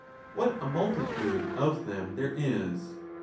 What a nuiltitudo of them there is